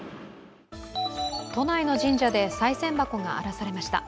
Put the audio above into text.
都内の神社でさい銭箱が荒らされました。